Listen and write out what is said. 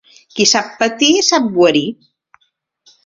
Qui sap patir sap guarir.